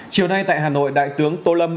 chiều nay tại hà nội đại tướng tô lâm